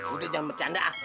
udah jangan bercanda ah